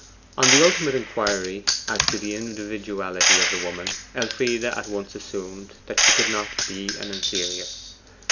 On the ultimate inquiry as to the individuality of the woman, Elfride at once assumed that she could not be an inferior.